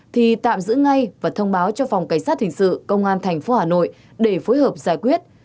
thì tạm giữ ngay và thông báo cho phòng cảnh sát thình sự công an thành phố hà nội để phối hợp giải quyết